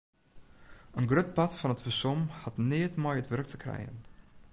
In grut part fan it fersom hat neat mei it wurk te krijen.